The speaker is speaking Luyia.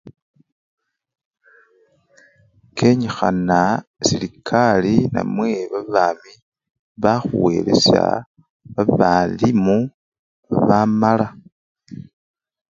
Kenyikhana serekari namwe babami bakhuwelesya babalimu babamala.